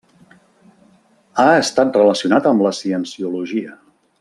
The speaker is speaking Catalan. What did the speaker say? Ha estat relacionat amb la cienciologia.